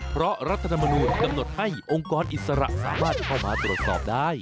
เพราะรัฐธรรมนูลกำหนดให้องค์กรอิสระสามารถเข้ามาตรวจสอบได้